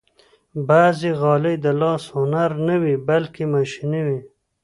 بعضې غالۍ د لاس هنر نه وي، بلکې ماشيني وي.